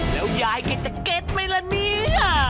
แล้วยายแกจะเก็ตไหมล่ะเนี่ย